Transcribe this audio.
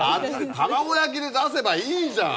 卵焼きで出せばいいじゃん。